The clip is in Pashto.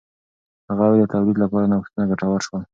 هغه وویل د تولید لپاره نوښتونه ګټور شول.